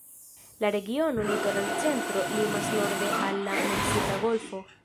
La regiono "Litoral Centro" limas norde al la Meksika Golfo.